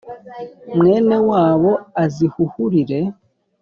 Mwene wabo azihuhurire.